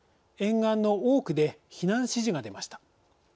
沿岸の多くで避難指示が出ました。